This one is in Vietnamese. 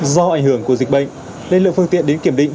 do ảnh hưởng của dịch bệnh nên lượng phương tiện đến kiểm định